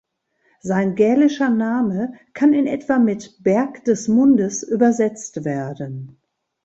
Sein gälischer Name kann in etwa mit "Berg des Mundes" übersetzt werden.